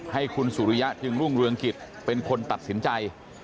ให้คุณสุริยะจึงรุ่งเรืองกิจเป็นคนตัดสินใจ